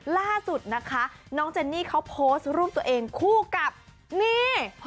ล่าสุดนะคะน้องเจนนี่เขาโพสต์รูปตัวเองคู่กับนี่